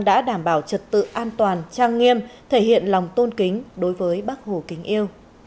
đã đảm bảo trật tự an toàn trang nghiêm thể hiện lòng tôn kính đối với bác hồ kính yêu